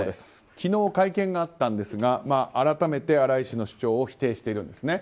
昨日、会見があったんですが改めて新井氏の主張を否定しているんですね。